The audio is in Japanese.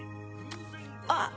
あっ。